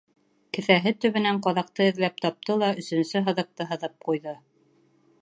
Кеҫәһе төбөнән ҡаҙаҡты эҙләп тапты ла өсөнсө һыҙыҡты һыҙып ҡуйҙы.